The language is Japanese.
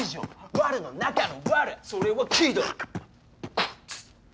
ワルの中のワルそれは鬼道